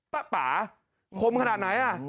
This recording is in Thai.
ป่ะป่าคมขนาดไหนอ่ะ